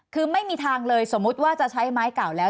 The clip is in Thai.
คือไม่มีทางเลยสมมุติว่าจะใช้ไม้เก่าแล้ว